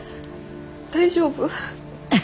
大丈夫？